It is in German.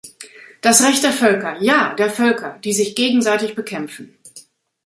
Das Recht der Völker, ja der Völker, die sich gegenseitig bekämpfen.